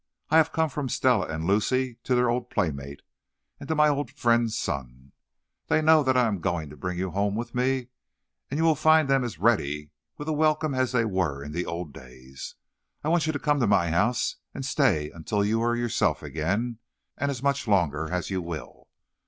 I have come from Stella and Lucy to their old playmate, and to my old friend's son. They know that I am going to bring you home with me, and you will find them as ready with a welcome as they were in the old days. I want you to come to my house and stay until you are yourself again, and as much longer as you will.